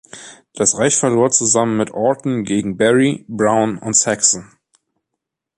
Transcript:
Das Reich verlor zusammen mit Orton gegen Barry, Brown und Saxon.